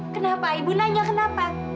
kenapa ibu nanya kenapa